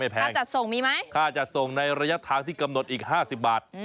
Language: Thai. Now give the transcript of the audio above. ค่าจัดส่งมีไหมค่าจัดส่งในระยะทางที่กำหนดอีก๕๐บาท